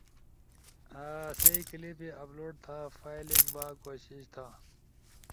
آسئیی کلپے اپلوڈ تھا فائلنگ با کوشش تھا؟